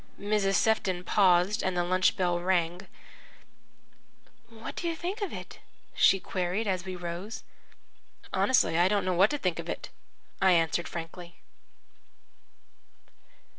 Mrs. Sefton paused, and the lunch bell rang. "What do you think of it?" she queried as we rose. "Honestly, I don't know what I think of it," I answered frankly.